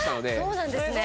そうなんですね。